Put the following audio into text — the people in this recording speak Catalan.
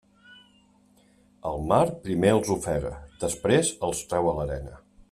El mar, primer els ofega, després els treu a l'arena.